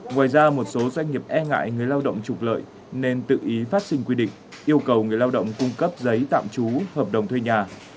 ngoài ra một số doanh nghiệp e ngại người lao động trục lợi nên tự ý phát sinh quy định yêu cầu người lao động cung cấp giấy tạm trú hợp đồng thuê nhà